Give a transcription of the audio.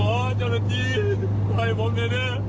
คุณหมอเจ้าหน้าที่ขอให้ผมแน่